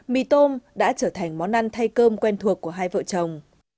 mì tôm đã trở thành món ăn thay cơm quen thuộc của hai vợ chồng